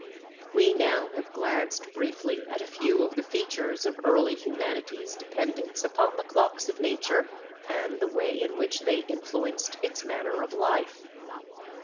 We now have glanced briefly at a few of the features of early humanity's dependence upon the clocks of nature and the way in which they influenced its manner of life.